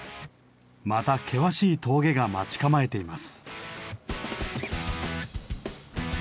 また険しい峠が待ち構えています。